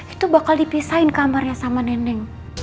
itu bakal dipisahin kamarnya sama neneng